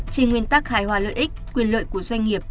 trên nguyên tắc hài hòa lợi ích quyền lợi của doanh nghiệp